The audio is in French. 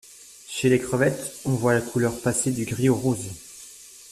Chez les crevette on voit la couleur passer du gris au rose.